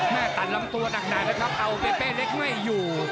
หน้าตัดล้ำตัวดังนานนะครับเอาเปเปเล็กไม่อยู่